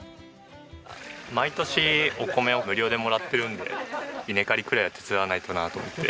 毎年お米を無料でもらってるんで稲刈りくらいは手伝わないとなと思って。